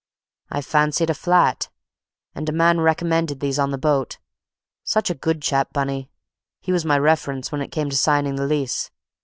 "I fancied a flat, and a man recommended these on the boat; such a good chap, Bunny; he was my reference when it came to signing the lease.